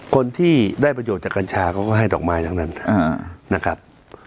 คนที่ได้ประโยชน์จากกัญชาเขาก็ให้ดอกไม้ทั้งนั้นนะครับ